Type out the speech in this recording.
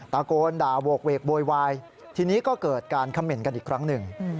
ตะโกนด่าโหกเวกโวยวายทีนี้ก็เกิดการคำเหน่นกันอีกครั้งหนึ่ง